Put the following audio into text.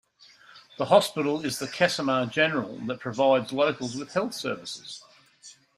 The hospital is the Kasama General that provides locals with health services.